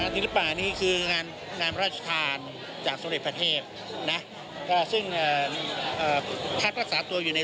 ด้วยเป็นงานพระราชสถานนี้